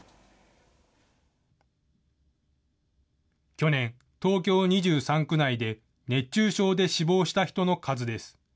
去年、東京２３区内で熱中症で死亡した人の数です。